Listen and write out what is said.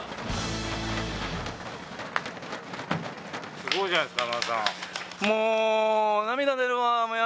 すごいじゃないですか、山田さん。